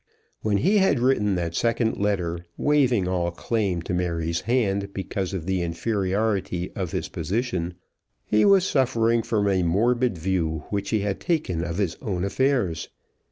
When he had written that second letter, waiving all claim to Mary's hand because of the inferiority of his position, he was suffering from a morbid view which he had taken of his own affairs.